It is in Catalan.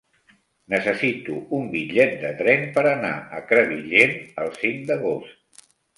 Necessito un bitllet de tren per anar a Crevillent el cinc d'agost.